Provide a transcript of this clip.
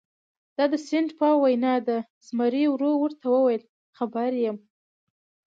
دا د سینټ پاول وینا ده، زمري ورو ورته وویل: خبر یم.